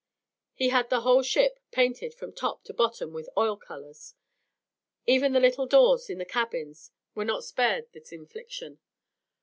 He had the whole ship painted from top to bottom with oil colours; even the little doors in the cabins were not spared this infliction.